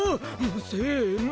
せの！